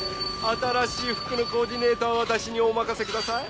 新しい服のコーディネートは私にお任せください。